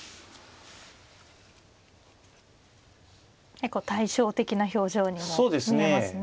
結構対照的な表情にも見えますね。